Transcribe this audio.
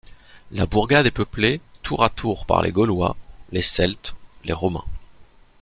La bourgade est peuplée tour à tour par les Gaulois, les Celtes, les Romains.